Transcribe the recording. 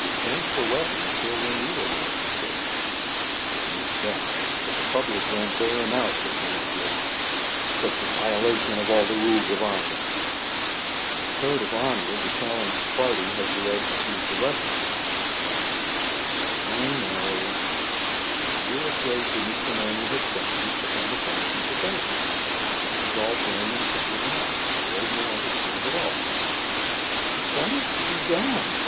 "With pens for weapons he will wing you a little too quick." "No doubt. But the public won't bear him out such an outrage such a violation of all the rules of honour." "By the code of honour, the challenged party has the right to choose the weapons, &c." "I know." "And you are afraid to meet the man you have challenged upon the terms he proposes. That is all plain and simple enough. The world will understand it all." "But what is to be done?"